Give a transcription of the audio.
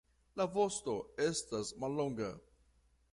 La vosto estas mallonga.